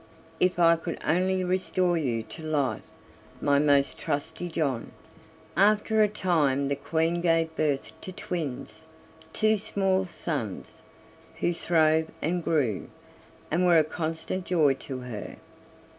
if I could only restore you to life, my most trusty John!" After a time the Queen gave birth to twins, two small sons, who throve and grew, and were a constant joy to her.